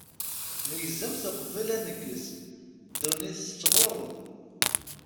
Meyyzemt uqbel aneggez, ddunit tettɣuṛṛu!